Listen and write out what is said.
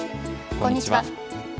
こんにちは。